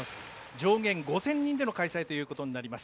上限５０００人での開催となります